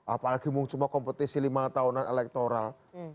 apalagi mau cuma kompetisi lima tahunan elektoral